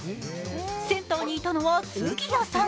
センターにいたのは杉谷さん。